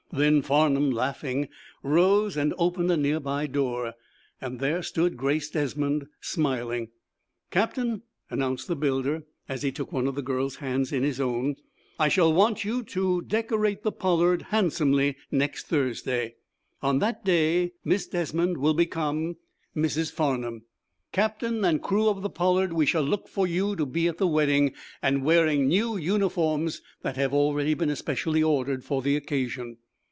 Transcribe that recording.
Then Farnum, laughing, rose and opened a nearby door. There stood Grace Desmond smiling. "Captain," announced the builder, as he took one of the girl's hands in his own, "I shall want you to decorate the 'Pollard' handsomely next Thursday. On that day Miss Desmond will become Mrs. Farnum. Captain and crew of the 'Pollard,' we shall look for you to be at the wedding, and wearing new uniforms that have already been especially ordered for the occasion."